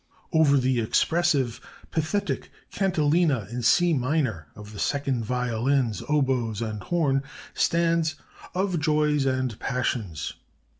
"Over the expressive, pathetic cantilena in C minor of the second violins, oboes, and horn, stands, 'OF JOYS AND PASSIONS'.